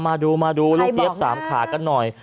มาดูมาดูลูกเจี๊ยบ๓ขากันหน่อย